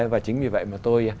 và chính vì vậy mà tôi